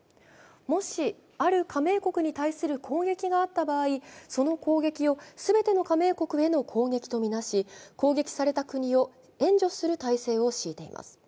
もし、ある加盟国に対する攻撃があった場合、その攻撃を全ての加盟国への攻撃とみなし攻撃された国を援助する体制を敷いています。